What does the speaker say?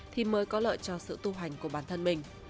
thì mới có lợi cho sự tu hành của bản thân mình